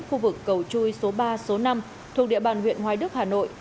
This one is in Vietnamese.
khu vực cầu chui số ba số năm thuộc địa bàn huyện hoài đức hà nội